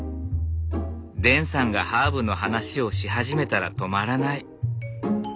デンさんがハーブの話をし始めたら止まらない。